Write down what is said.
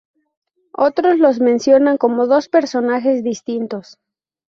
Otros los mencionan como dos personajes distintos.